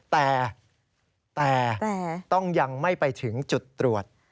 แต่ต้องยังไม่ไปถึงจุดตรวจ